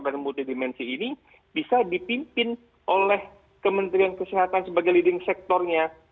dan multidimensi ini bisa dipimpin oleh kementerian kesehatan sebagai leading sektornya